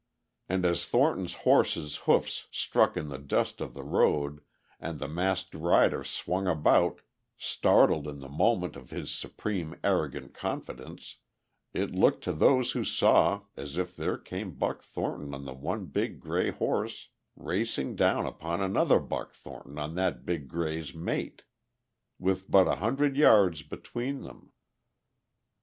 And as Thornton's horse's hoofs struck in the dust of the road and the masked rider swung about, startled in the moment of his supreme arrogant confidence, it looked to those who saw as if there came Buck Thornton on one big grey horse racing down upon another Buck Thornton on that big grey's mate. With but a hundred yards between them....